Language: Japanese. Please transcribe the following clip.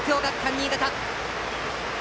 新潟